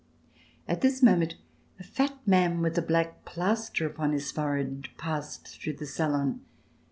At this moment a fat man with a black plaster upon his forehead passed through the salon.